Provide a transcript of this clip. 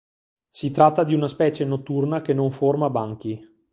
Si tratta di una specie notturna che non forma banchi.